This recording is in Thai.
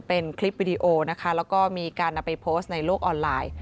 เป็นคลิปวิดีโอนะคะแล้วก็มีการนำไปโพสต์ในโลกออนไลน์